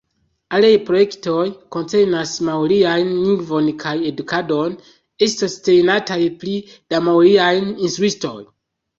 Aliaj projektoj koncernas maoriajn lingvon kaj edukadon: estos trejnataj pli da maoriaj instruistoj.